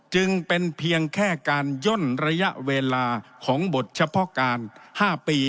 จึงเป็นเพียงแค่การย่นระยะเวลาของบทเฉพาะการ๕ปี